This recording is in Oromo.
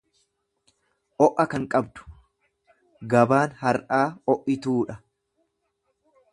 o'a tan qabdu; Gabaan har'aa o'ituudha.